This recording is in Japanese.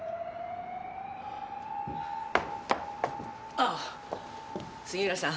あぁ杉浦さん。